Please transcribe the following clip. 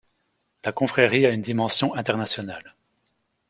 La confrérie a une dimension internationale.